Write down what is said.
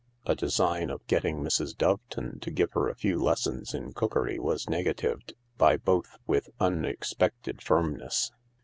A design of getting Mrs. Dovetonto give her a few lessons in cookery was negatived by both with unexpected firmness.